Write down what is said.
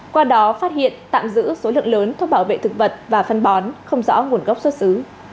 qua đó phát hiện tạm giữ số lượng lớn thuốc bảo vệ thực vật và phân bón không rõ nguồn gốc xuất xứ